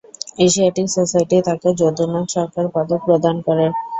Asiatic Society তাকে 'যদুনাথ সরকার পদক' প্রদান করে।